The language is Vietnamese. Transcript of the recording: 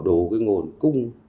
đủ nguồn cung